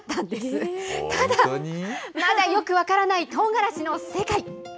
ただ、まだよく分からないとうがらしの世界。